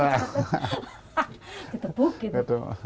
jadi satu satu